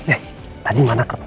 eh tadi mana ker